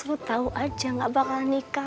itu semua aja yang manas manasin gue ya